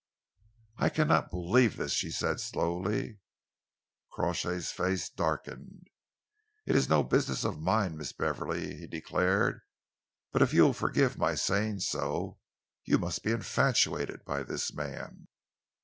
"I cannot believe this," she said slowly. Crawshay's face darkened. "It is no business of mine, Miss Beverley," he declared, "but if you will forgive my saying so, you must be infatuated by this man.